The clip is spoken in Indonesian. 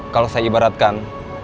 kalau saya ibaratkan